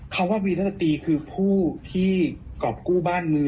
คำว่าวีรสตรีคือผู้ที่กรอบกู้บ้านมือ